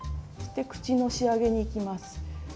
口の仕上げにいきます。